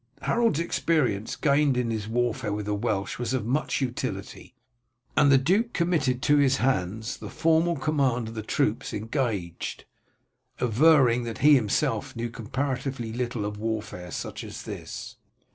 Harold's experience gained in his warfare with the Welsh was of much utility, and the duke committed to his hands the formal command of the troops engaged, averring that he himself knew comparatively little of warfare such as this.